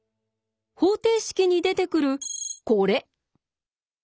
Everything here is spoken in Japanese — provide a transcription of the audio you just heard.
方程式に出てくるこれ。